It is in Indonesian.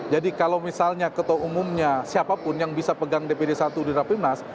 jadi kalau misalnya ketua umumnya siapapun yang bisa pegang dpd satu di rapimnas